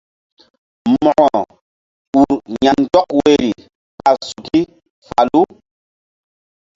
Mo̧ko ur ya̧ndɔk woyri ɓa suki falu.